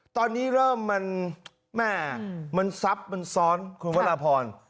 ตอนนี้เริ่มมันแม่มันซับมันซ้อนคุณวรพร